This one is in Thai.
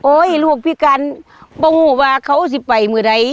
โอโหลูกพิการบ่งหูว่าเขาสิไปเมื่อไหร่